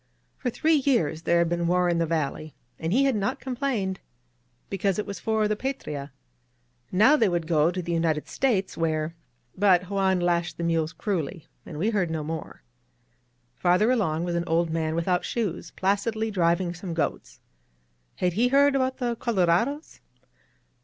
For three years there had been war in this valley, and he had not complained. Because it was for the Patria. Now they would go to the United States where But Juan lashed the mules cruelly, and we heard no more. Farther along was an old man without shoes, placidly driving some goats. Had he heard about the colorados?